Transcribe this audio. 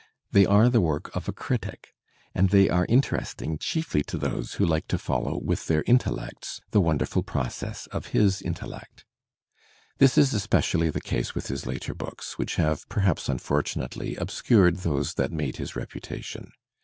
They are the work of a critic, and they are interesting chiefly to those who like to follow Digitized by Google HENRY JAMES 385 with their intellects the wonderful process of his intellect. This is especially the case with his later books, which have» perhaps unfortunately, obscured those that made his repu tation.